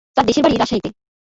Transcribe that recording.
তার দেশের বাড়ি রাজশাহীতে।